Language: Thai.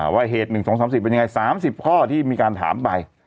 ว่าเหตุ๑๒๓๐เป็นยังไง๓๐ข้อที่มีการถามไป